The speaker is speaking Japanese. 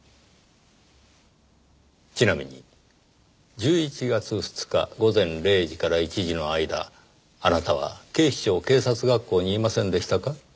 ちなみに１１月２日午前０時から１時の間あなたは警視庁警察学校にいませんでしたか？